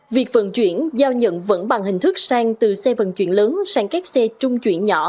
việc vận chuyển giao nhận vẫn bằng hình thức sang từ xe vận chuyển lớn sang các xe trung chuyển nhỏ